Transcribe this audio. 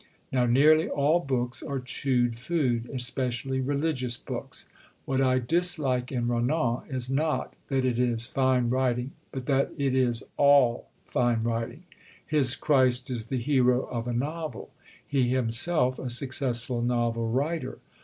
Now nearly all books are chewed food especially religious books.... What I dislike in Renan is not that it is fine writing, but that it is all fine writing. His Christ is the hero of a novel; he himself, a successful novel writer.